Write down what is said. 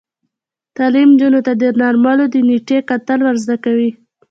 تعلیم نجونو ته د درملو د نیټې کتل ور زده کوي.